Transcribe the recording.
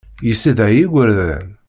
Yessedhay igerdan.